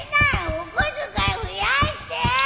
お小遣い増やして